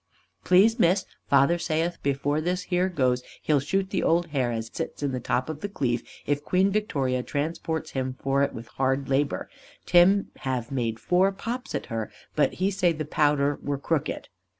Please Miss, father saith before this here goes he'll shoot the old hare as sits in the top of the cleeve if Queen Victoria transports him for it with hard labour. Tim have made four pops at her, but he say the powder were crooked.